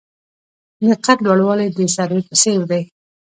د قد لوړوالی د سروې په څیر دی.